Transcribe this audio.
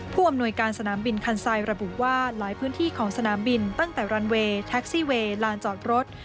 อำนวยการสนามบินคันไซดระบุว่าหลายพื้นที่ของสนามบินตั้งแต่รันเวย์แท็กซี่เวย์ลานจอดรถ